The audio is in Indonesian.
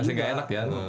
masih nggak enak ya